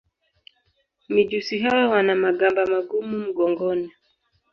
Mijusi hawa wana magamba magumu mgongoni.